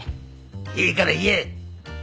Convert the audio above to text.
いいから言え！